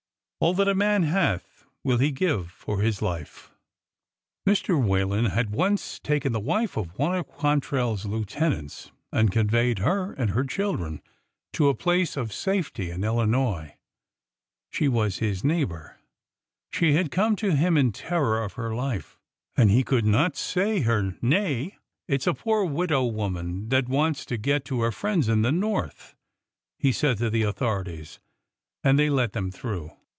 All that a man hath will he give for his life." Mr. Whalen had once taken the wife of one of Quan trell's lieutenants and conveyed her and her children to a place of safety in Illinois. She was his neighbor. She bad come to him in terror of her life, and he could not —AND JONATHAN 249 say her nay. It 's a poor widow woman that wants to get to her friends in the North/' he said to the authorities, and they let them through.